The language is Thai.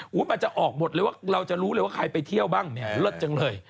มันจะออกหมดเลยว่าเราจะรู้เลยว่าใครไปเที่ยวบ้างเนี่ยเลิศจังเลย